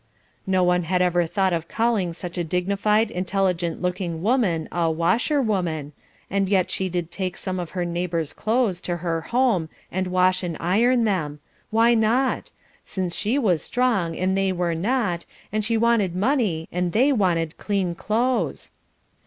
No one had ever thought of calling such a dignified, intelligent looking woman a "washer woman," and yet she did take some of her neighbours' clothes to her home and wash and iron them why not? since she was strong and they were not, and she wanted money and they wanted clean clothes.